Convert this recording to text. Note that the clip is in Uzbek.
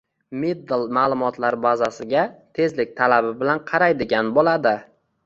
Middle ma’lumotlar bazasiga tezlik talabi bilan qaraydigan bo’ladi